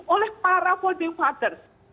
oleh para folding partners